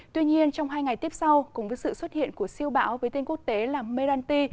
tuy nhiên trong hai ngày tiếp sau cùng với sự xuất hiện của siêu bão với tên quốc tế là melanti